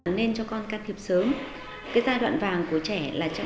nên cho con can thiệp sớm